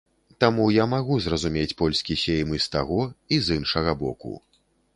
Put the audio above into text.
Таму я магу зразумець польскі сейм і з таго, і з іншага боку.